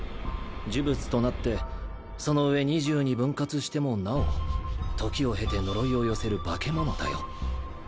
呪物となってそのうえ２０に分割してもなお時を経て呪いを寄せる化け物だよ。